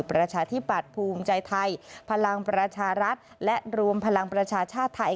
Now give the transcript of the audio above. ประชาธิปัตย์ภูมิใจไทยพลังประชารัฐและรวมพลังประชาชาติไทย